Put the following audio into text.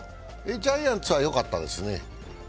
ジャイアンツはよかったですね。